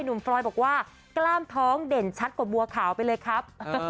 ฟรอยบอกว่ากล้ามท้องเด่นชัดกว่าบัวขาวไปเลยครับ